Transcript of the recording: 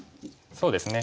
そうですね。